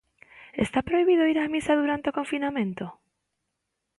Está prohibido ir á misa durante o confinamento?